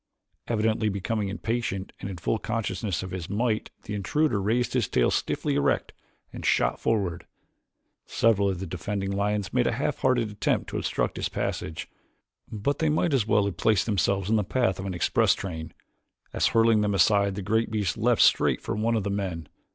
Evidently becoming impatient, and in full consciousness of his might the intruder raised his tail stiffly erect and shot forward. Several of the defending lions made a half hearted attempt to obstruct his passage, but they might as well have placed themselves in the path of an express train, as hurling them aside the great beast leaped straight for one of the men.